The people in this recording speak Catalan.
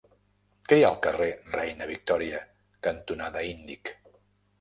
Què hi ha al carrer Reina Victòria cantonada Índic?